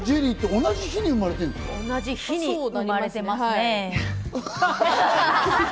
同じ日に生まれてますね。